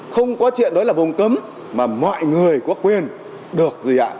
không có chuyện đó là vùng cấm mà mọi người có quyền được gì ạ